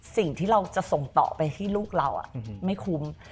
สิ่งที่เราจะส่งต่อไปให้ลูกเราไม่คุ้ม